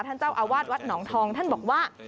ท่านเจ้าอาวาสวัดหนองทองท่านบอกว่า